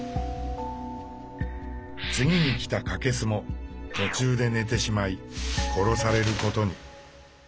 次に来たカケスも途中で寝てしまい殺されることに。